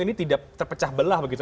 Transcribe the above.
ini tidak terpecah belah begitu